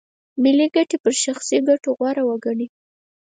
ملي ګټې پر شخصي ګټو غوره وګڼي.